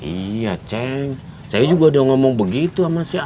iya ceng saya juga udah ngomong begitu sama saya